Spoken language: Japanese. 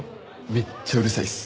めっちゃうるさいっす。